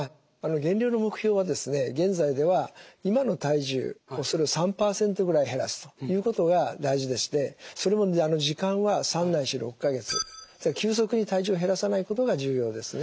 減量の目標は現在では今の体重それを３％ぐらい減らすということが大事でしてそれも時間は３ないし６か月急速に体重を減らさないことが重要ですね。